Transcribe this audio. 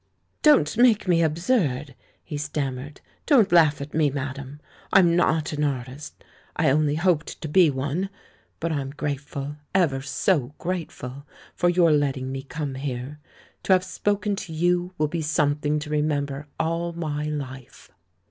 "Don't make me absurd," he stammered; "don't laugh at me, madame! I'm. not an artist, I only hoped to be one. But I'm grateful — ever so grateful — for your letting me come here. To THE LAURELS AND THE LADY 111 have spoken to you will be something to remem ber all my life."